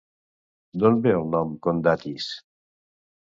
D'on ve el nom Condatis?